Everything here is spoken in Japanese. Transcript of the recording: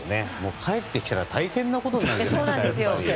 帰ってきたら大変なことになりますから。